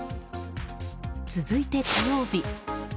続いて火曜日。